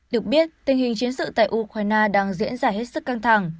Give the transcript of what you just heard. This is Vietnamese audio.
được biết tình hình chiến sự tại ukraine đang diễn ra hết sức căng thẳng